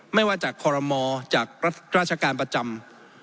ไม่ว่าจากคอรมอจากราชการประจำ